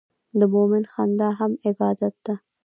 د مؤمن خندا هم عبادت ده.